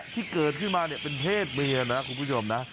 ที่เกิดขึ้นมาเนี่ยเป็นเพศเมียนะคุณผู้ชมนะ